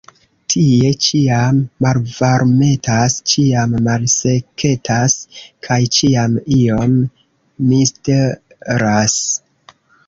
Tie ĉiam malvarmetas, ĉiam malseketas, kaj ĉiam iom misteras.